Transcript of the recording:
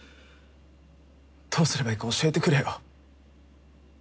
どうすればいいか教えてくれよ。